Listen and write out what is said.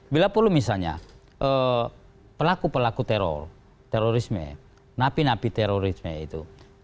bila perlu misalnya pelaku pelaku teror terorisme napi napi terorisme itu